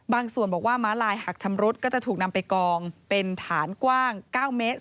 ส่วนบอกว่าม้าลายหักชำรุดก็จะถูกนำไปกองเป็นฐานกว้าง๙เมตร